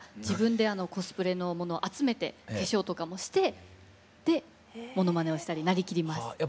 自分でコスプレのものを集めて化粧とかもしてでものまねをしたりなりきります。